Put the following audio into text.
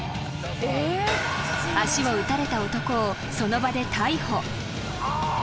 ［足を撃たれた男をその場で逮捕］